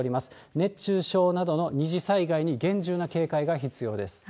熱中症などの二次災害に厳重な警戒が必要です。